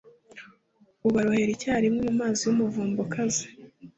ubarohera icyarimwe mu mazi y’umuvumba ukaze.